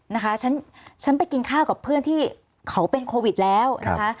นะคะฉันฉันไปกินข้าวกับเพื่อนที่เขาเป็นโควิดแล้วนะคะ